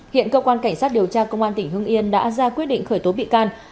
hiện cơ quan cảnh sát điều tra công an tỉnh hưng yên đã ra quyết định khởi tố bị can